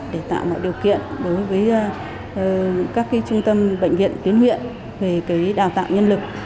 để tạo mọi điều kiện đối với các trung tâm bệnh viện tuyến huyện về đào tạo nhân lực